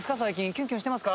キュンキュンしてますか？